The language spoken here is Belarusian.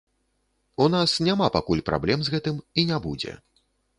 У нас няма пакуль праблем з гэтым і не будзе.